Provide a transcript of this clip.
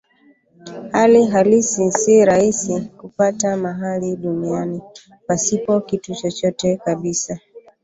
Hali halisi si rahisi kupata mahali duniani pasipo kitu chochote kabisa.